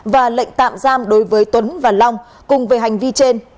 và lệnh tạm giam đối với tuấn và long cùng về hành vi trên